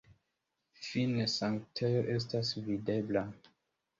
Fine sanktejo estas videbla.